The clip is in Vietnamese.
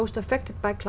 sẽ kết thúc